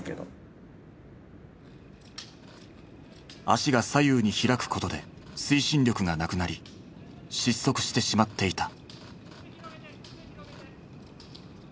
足が左右に開くことで推進力がなくなり失速してしまっていた。